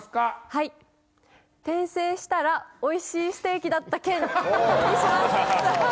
はい転生したら美味しいステーキだった件にします。